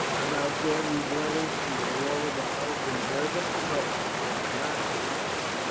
"About Gordon's letters and the wall of a house in Berber? No, I have not forgotten."